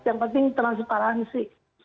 yang penting transparansi